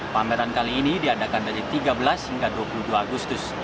pameran kali ini diadakan dari tiga belas hingga dua puluh dua agustus